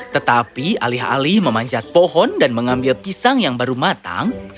tetapi alih alih memanjat pohon dan mengambil pisang yang baru matang